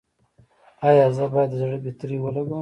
ایا زه باید د زړه بطرۍ ولګوم؟